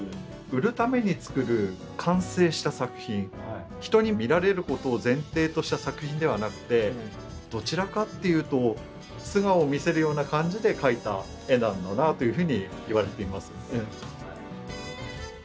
売るために作る完成した作品人に見られることを前提とした作品ではなくてどちらかっていうと素顔を見せるような感じで描いた絵なんだなというふうにいわれています。